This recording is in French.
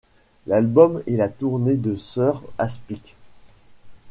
L’album et la tournée de Sir Aspic. ..